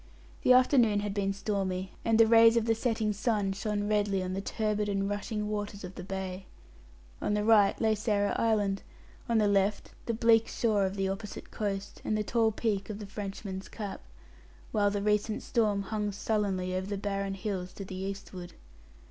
The afternoon had been stormy, and the rays of the setting sun shone redly on the turbid and rushing waters of the bay. On the right lay Sarah Island; on the left the bleak shore of the opposite and the tall peak of the Frenchman's Cap; while the storm hung sullenly over the barren hills to the eastward.